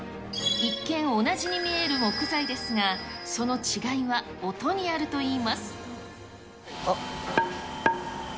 一見、同じに見える木材ですが、その違いは音にあるといいます。